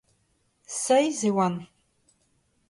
Seizh e oant.